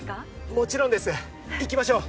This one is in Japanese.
もちろんです行きましょう。